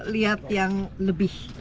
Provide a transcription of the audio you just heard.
lihat yang lebih